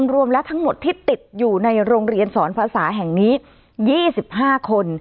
รวมและทั้งหมดที่ติดอยู่ในโรงเรียนสอนภาษาแห่งนี้๒๕คน